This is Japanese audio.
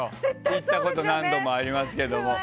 行ったこと何度もありますけど。